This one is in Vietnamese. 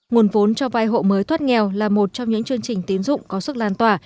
nguồn vốn cho vai hộ mới thoát nghèo là một trong những chương trình tín dụng có sức lan tỏa